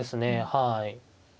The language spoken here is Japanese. はい。